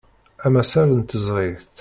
Amasal n teẓrigt.